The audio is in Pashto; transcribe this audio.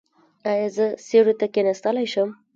ایا زه سیوري ته کیناستلی شم؟